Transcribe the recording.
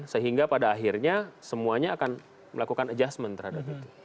sehingga pada akhirnya semuanya akan melakukan adjustment terhadap itu